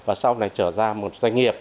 và sau này trở ra một doanh nghiệp